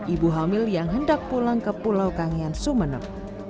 ibu hamil yang hendak pulang ke pulau kangean sumeneb